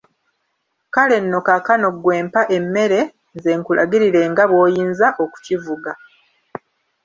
Kale nno kaakano ggwe mpa emmere, nze nkulagirire nga bw'oyinza okukivuga.